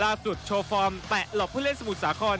ล่าสุดโชว์ฟอร์มแตะหลบผู้เล่นสมุทรสาคอน